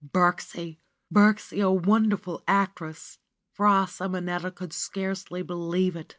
Birksie! Birksie, a wonderful actress! Fra Simo netta could scarce believe it.